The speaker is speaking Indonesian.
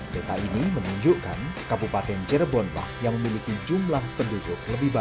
detail ini menunjukkan kabupaten cirebonlah yang memiliki jumlah kecamatan yang lebih besar